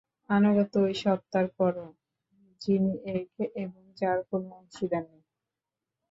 আনুগত্য ঐ সত্তার কর, যিনি এক এবং যার কোন অংশীদার নেই।